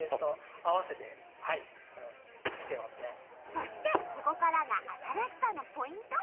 そしてここからが新しさのポイント。